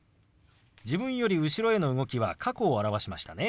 自分より後ろへの動きは過去を表しましたね。